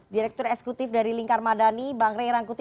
direktur esekutif dari lingkar madani bang rey rangkuti